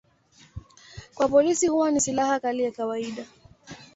Kwa polisi huwa ni silaha kali ya kawaida.